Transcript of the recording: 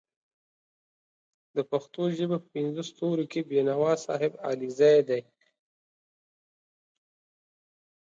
د پښتو ژبې په پینځو ستورو کې بېنوا صاحب علیزی دی